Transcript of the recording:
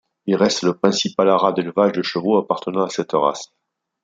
Il reste le principal haras d'élevage de chevaux appartenant à cette race.